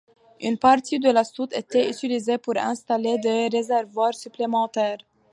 Une partie de la soute était utilisée pour installer des réservoirs supplémentaires.